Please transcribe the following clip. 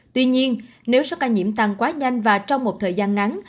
tuy nhiên nếu số ca nhiễm tăng quá nhanh và trong một thời gian ngắn